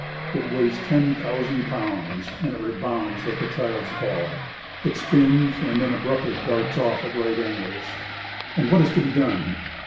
It weighs ten thousand pounds, and it rebounds like a child's ball. It spins and then abruptly darts off at right angles. And what is to be done?